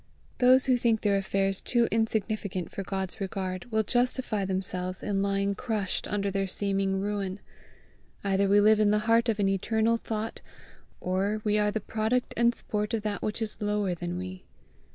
Those who think their affairs too insignificant for God's regard, will justify themselves in lying crushed under their seeming ruin. Either we live in the heart of an eternal thought, or we are the product and sport of that which is lower than we.